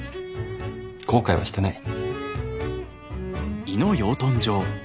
後悔はしてない。